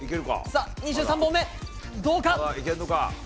さあ、２３本目、どうか？